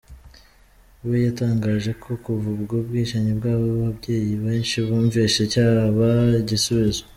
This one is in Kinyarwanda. We yatangaje ko kuva ubwo bwicanyi bwaba ababyeyi benshi bumvise cyaba igisubizo.